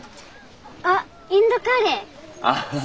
あっインドカレー。アハハ。